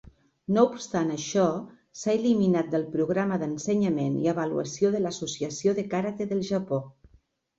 No obstant això, s'ha eliminat del programa d'ensenyament i avaluació de l'Associació de Karate del Japó.